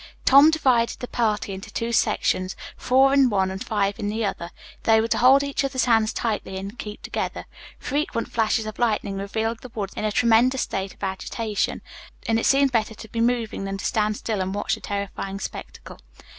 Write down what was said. Tom divided the party into two sections, four in one and five in the other. They were to hold each other's hands tightly and keep together. Frequent flashes of lightning revealed the woods in a tremendous state of agitation and it seemed better to be moving than to stand still and watch the terrifying spectacle.